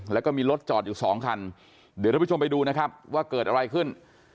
แล้วก็มีรถจอดอยู่สองคันเดี๋ยวทุกผู้ชมไปดูนะครับว่าเกิดอะไรขึ้น